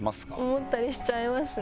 思ったりしちゃいますね。